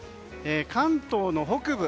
関東の北部